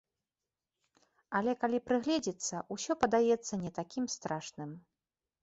Але, калі прыгледзецца, усё падаецца не такім страшным.